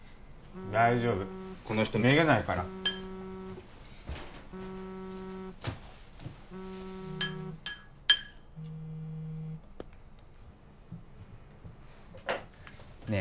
大丈夫この人めげないからね